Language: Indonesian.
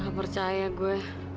gak percaya gue